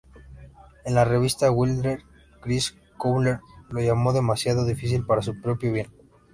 En la revista Wired Chris Kohler lo llamó 'demasiado difícil para su propio bien.